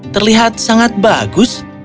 terlihat sangat bagus